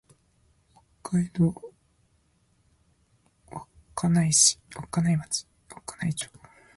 北海道幌加内町